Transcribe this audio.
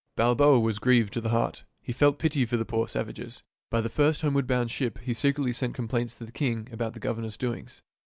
Balboa was grieved to the heart ; he felt pity for the poor savages. By the first homeward bound ship he secretly sent complaints to the king about the governor's doings.